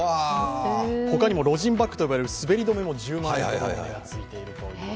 他にもロジンバックと呼ばれる滑り止めも１０万円の値段がついているという。